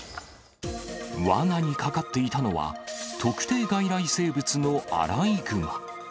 わなにかかっていたのは、特定外来生物のアライグマ。